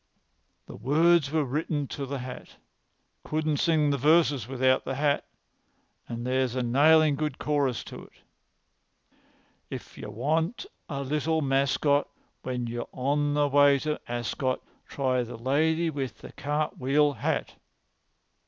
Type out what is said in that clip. "The words were written to the hat. I couldn't sing the verses without the hat. But there's a nailin' good chorus to it: "'If you want a little mascot When you're on the way to Ascot, Try the lady with the cartwheel hat.'"